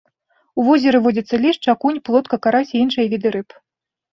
У возеры водзяцца лешч, акунь, плотка, карась і іншыя віды рыб.